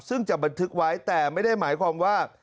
ซึ่งจะบันทึกไว้แต่ไม่ได้หมายความว่า